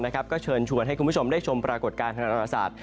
ก็เชิญชวนให้คุณผู้ชมได้ชมปรากฏการณ์ทางธรรมศาสตร์